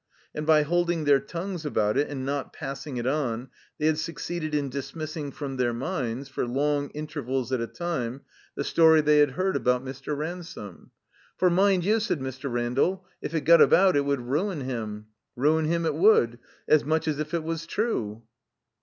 And by hold ing their tongues about it and not passing it on they had succeeded in dismissing from their minds, for long intervals at a time, the story they had heard 46 THE COMBINED MAZE about Mr. Ransome. "For, mind you," said Mr. Randall, "if it got about it would ruin him. Ruin him it would. As much as if it was true."